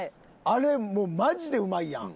あれマジでうまいやん。